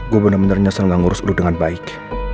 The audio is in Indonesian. gue bener bener nyesel nggak ngurus lo dengan baik